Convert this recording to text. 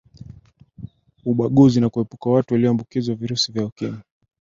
ubaguzi na kuepuka watu waliyoambukizwa virusi vya ukimwi